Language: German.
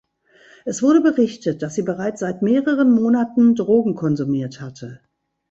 Es wurde berichtet, dass sie bereits seit mehreren Monaten Drogen konsumiert hatte.